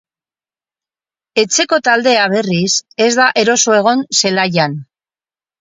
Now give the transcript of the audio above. Etxeko taldea, berriz, ez da eroso egon zelaian.